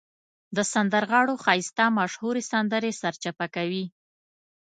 د سندرغاړو ښایسته مشهورې سندرې سرچپه کوي.